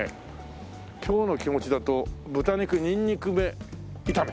今日の気持ちだと「豚肉ニンニク芽炒め」！